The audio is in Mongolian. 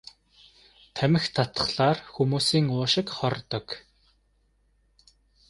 Тамхи татахлаар хүмүүсийн уушиг хордог.